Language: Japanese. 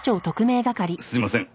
すいません。